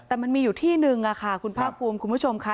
แต่มันมีอยู่ที่หนึ่งค่ะคุณภาคภูมิคุณผู้ชมค่ะ